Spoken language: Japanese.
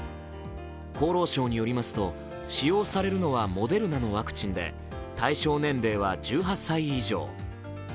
厚労省によりますと使用されるのはモデルナのワクチンで対象年齢は１８歳以上。